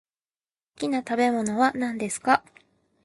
好きな食べ物は何ですか？